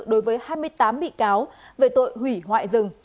đối với hai mươi tám bị cáo về tội hủy hoại rừng